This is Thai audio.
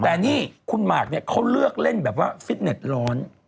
แต่นี่คุณหมากเนี่ยเขาเลือกเล่นแบบว่าฟิตเน็ตร้อน